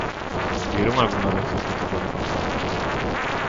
¿Viron algunha vez ese tipo de contrato?